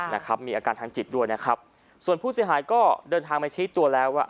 นะครับมีอาการทางจิตด้วยนะครับส่วนผู้เสียหายก็เดินทางมาชี้ตัวแล้วว่า